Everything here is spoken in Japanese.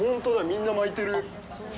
みんな巻いてる。